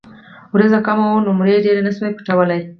وريځ کمه وه نو نمر يې ډېر نۀ شو پټولے ـ